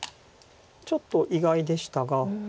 ちょっと意外でしたが。